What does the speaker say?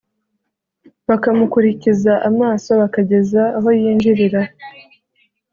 bakamukurikiza amaso bakageza aho yinjirira